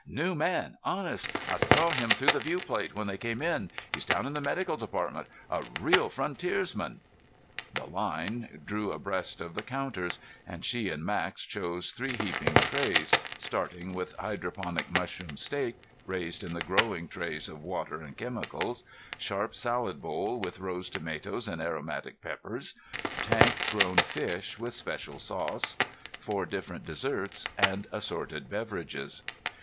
" new man, honest! I saw him through the viewplate when they came in. He's down in the medical department. A real frontiersman." The line drew abreast of the counters, and she and Max chose three heaping trays, starting with hydroponic mushroom steak, raised in the growing trays of water and chemicals; sharp salad bowl with rose tomatoes and aromatic peppers; tank grown fish with special sauce; four different desserts, and assorted beverages.